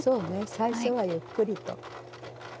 最初はゆっくりと。